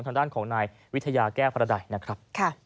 ทางด้านของนายวิทยาแก้พระใดนะครับ